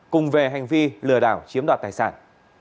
cùng về hành vi lừa đảo chiếm đoạt tài sản